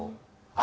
あ。